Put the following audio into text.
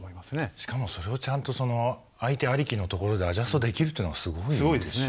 しかもそれをちゃんとその相手ありきのところでアジャストできるっていうのがすごいですよね。